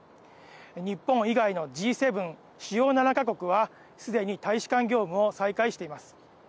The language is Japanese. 日本以外のＧ７＝主要７か国はすでに大使館業務を再開しています。